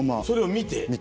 見て。